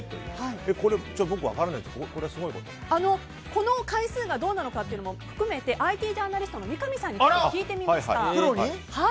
この回数がどうなのか含めてＩＴジャーナリストの三上さんに聞いてみました。